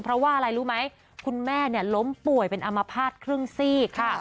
เพราะว่าอะไรรู้ไหมคุณแม่ล้มป่วยเป็นอามภาษณ์ครึ่งซีกค่ะ